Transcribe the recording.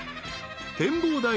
［展望台。